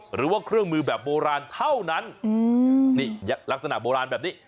หรือว่าเครื่องมือแบบโบราณเท่านั้นนี่ลักษณะโบราณแบบนี้